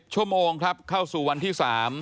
ชั่วโมงครับเข้าสู่วันที่๓